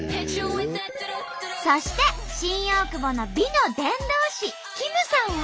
そして新大久保の美の伝道師キムさんは。